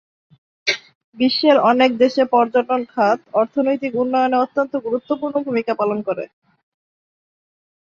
বিশ্বের অনেক দেশে পর্যটন খাত অর্থনৈতিক উন্নয়নে অত্যন্ত গুরুত্বপূর্ণ ভূমিকা পালন করে।